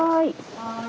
はい。